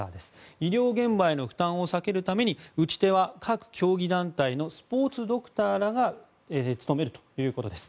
医療現場への負担を避けるために打ち手は各競技団体のスポーツドクターらが務めるということです。